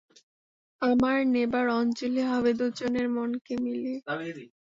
আমার নেবার অঞ্জলি হবে দুজনের মনকে মিলিয়ে।